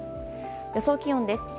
予想気温です。